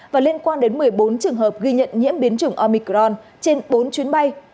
và liên quan đến một mươi bốn trường hợp ghi nhận nhiễm biến chủng omicron trên bốn chuyến bay